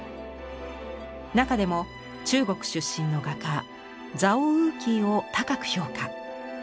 中でも中国出身の画家ザオ・ウーキーを高く評価。